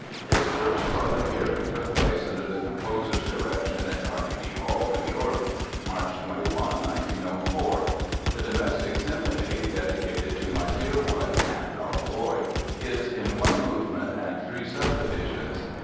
Its first public hearing took place under the composer's direction in Carnegie Hall, New York, March 21, 1904. The Domestic Symphony, "dedicated to my dear wife and our boy" is in "one movement and three subdivisions.